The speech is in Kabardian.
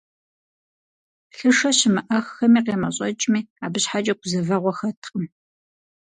Лъышэ щымыӀэххэми къемэщӀэкӀми, абы щхьэкӀэ гузэвэгъуэ хэткъым.